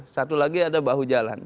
satu lagi ada bahu jalan